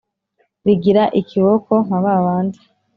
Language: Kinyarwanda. rigira ikiboko nka ba bandi